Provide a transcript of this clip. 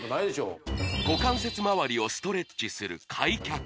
股関節周りをストレッチする開脚